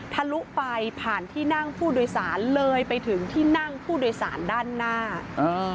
ทะลุไปผ่านที่นั่งผู้โดยสารเลยไปถึงที่นั่งผู้โดยสารด้านหน้าอ่า